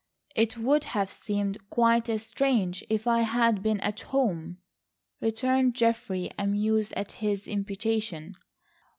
"It would have seemed quite as strange if I had been at home," returned Geoffrey, amused at his imputation.